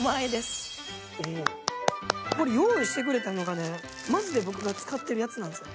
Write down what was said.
これ用意してくれたのがねマジで僕が使ってるやつなんですよ。